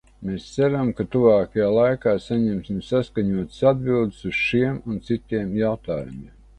Mēs ceram, ka tuvākajā laikā saņemsim saskaņotas atbildes uz šiem un citiem jautājumiem.